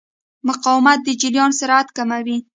مقاومت د جریان سرعت کموي.